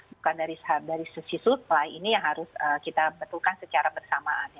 bukan dari sisi supply ini yang harus kita betulkan secara bersamaan